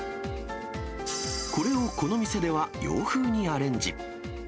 これをこの店では洋風にアレンジ。